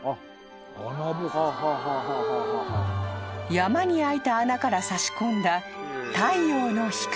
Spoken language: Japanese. ［山に開いた穴から差し込んだ］